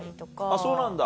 あっそうなんだ。